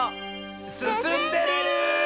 すすんでる！